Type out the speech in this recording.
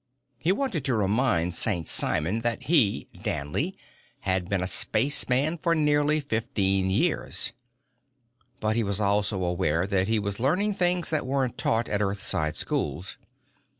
He wanted to remind St. Simon that he, Danley, had been a spaceman for nearly fifteen years. But he was also aware that he was learning things that weren't taught at Earthside schools.